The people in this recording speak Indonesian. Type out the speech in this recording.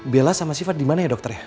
bella sama syifa dimana ya dokter ya